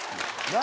何？